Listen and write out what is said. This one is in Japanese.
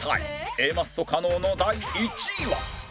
Ａ マッソ加納の第１位は？